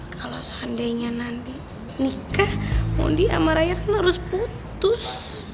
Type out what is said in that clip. kalau seandainya nanti nikah mundi sama raya kan harus putus